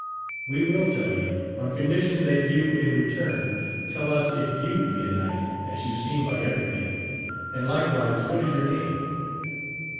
— ^We will tell you, on condition that you in return tell us if you be a knight, as you seem by every thing, and likewise what is your name.